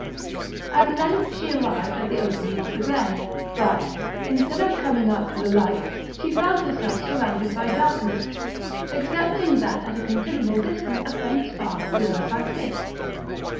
At length she arrived at the opening of the glen; but, instead of coming up to the light, she found herself surrounded by darkness, excepting that at a considerable distance a faint spark glimmered by fits.